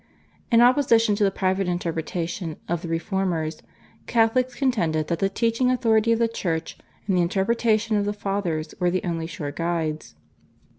In opposition to the private interpretation of the Reformers Catholics contended that the teaching authority of the Church and the interpretation of the Fathers were the only sure guides.